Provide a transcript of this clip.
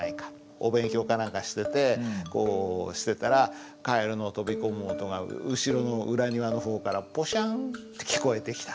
お勉強か何かしててこうしてたらカエルの飛び込む音が後ろの裏庭の方からポシャンって聞こえてきた。